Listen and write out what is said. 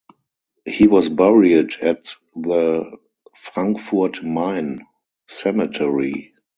He was buried at the Frankfurt Main Cemetery.